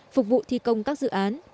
phục vụ thi công các dự án